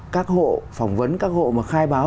các hộ phỏng vấn các hộ khai báo